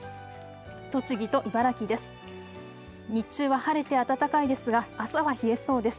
栃木と茨城です。